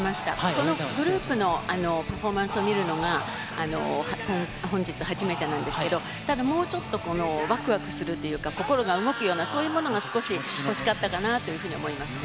このグループのパフォーマンスを見るのが本日初めてなんですけど、ただもうちょっと、わくわくするっていうか、心が動くような、そういうものが少し欲しかったかなというふうに思いますね。